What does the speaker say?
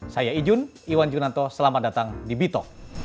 saya ijun iwan junanto selamat datang di bito